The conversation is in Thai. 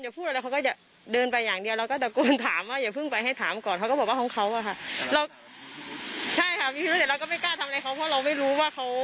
อย่างเงี้ยค่ะแล้วรู้ไหมคะเป็นเด็กที่หาหมู่บ้านอะไรตอนแรกนะ